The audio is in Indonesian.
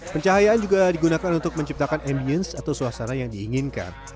pencahayaan juga digunakan untuk menciptakan ambience atau suasana yang diinginkan